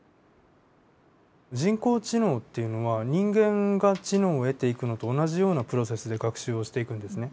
人工知能っていうのは人間が知能を得ていくのと同じようなプロセスで学習をしていくんですね。